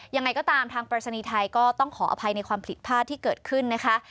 ยังไงก็ตามทางปรายศนีย์ไทยก็ต้องขออภัยในความผิดพลาดที่เกิดขึ้นนะคะ